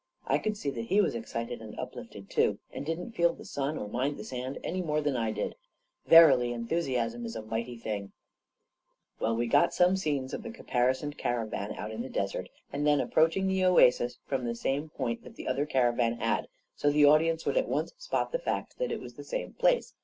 I could see that he was excited and uplifted, too, and didn't feel the sun or mind the sand any more than I did I Verily, enthusiasm is a mighty thing I Well, we got some scenes of the caparisoned cara van out in the desert, and then approaching the oasis from the same point that the other caravan had, so the audience would at once spot the fact that it was the same place.